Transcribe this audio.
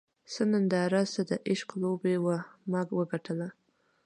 څه ننداره څه د عشق لوبه وه ما وګټله